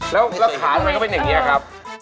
แล้วขาของมันก็เป็นอย่างนี้ครับ